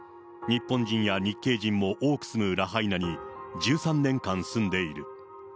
日本人や日系人も多く住むラハイナに、１３年間住んでいる。